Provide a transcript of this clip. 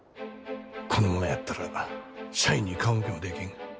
このままやったら社員に顔向けもできん。